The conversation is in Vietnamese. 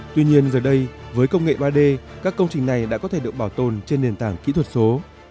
tuy nhiên giờ đây với công nghệ ba d các công trình này đã có thể được bảo tồn trên nền tảng kỹ thuật số